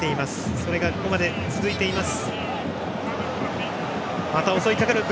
それがここまで続いています。